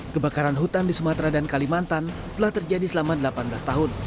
kebakaran hutan di sumatera dan kalimantan telah terjadi selama delapan belas tahun